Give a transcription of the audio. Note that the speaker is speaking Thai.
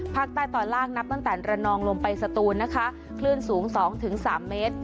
ภาคใต้ตอนล่างนับตั้งแต่ระนองลงไปสตูนนะคะคลื่นสูง๒๓เมตร